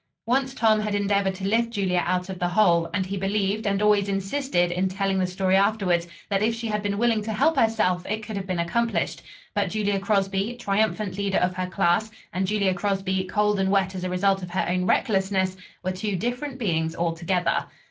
Once Tom had endeavored to lift Julia out of the hole, and he believed, and always insisted, in telling the story afterwards, that if she had been willing to help herself it could have been accomplished. But Julia Crosby, triumphant leader of her class, and Julia Crosby cold and wet as a result of her own recklessness, were two different beings altogether.